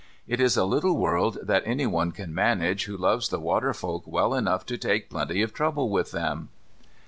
It is a little world that anyone can manage who loves the water folk well enough to take plenty of trouble with them.